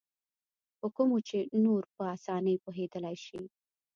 په کومو چې نور په اسانۍ پوهېدلای شي.